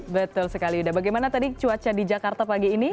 betul sekali yuda bagaimana tadi cuaca di jakarta pagi ini